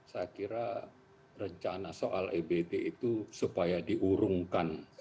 saya kira rencana soal ebt itu supaya diurungkan